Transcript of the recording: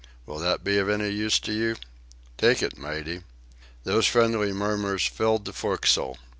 Will that be of any use to you?... Take it, matey...." Those friendly murmurs filled the forecastle.